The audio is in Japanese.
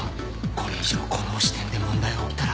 これ以上この支店で問題が起きたら。